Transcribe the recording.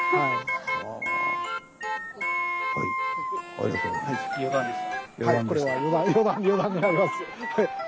はいこれは余談になります。